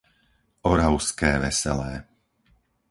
Oravské Veselé